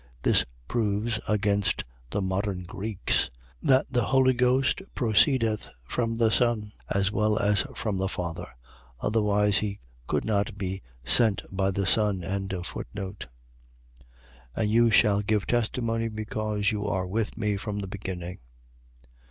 . .This proves, against the modern Greeks, that the Holy Ghost proceedeth from the Son, as well as from the Father: otherwise he could not be sent by the Son. 15:27. And you shall give testimony, because you are with me from the beginning.